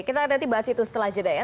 kita nanti bahas itu setelah jeda ya